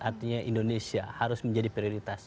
artinya indonesia harus menjadi prioritas